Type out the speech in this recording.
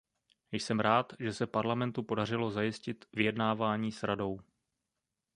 Jsem rád, že se Parlamentu podařilo zajistit vyjednávání s Radou.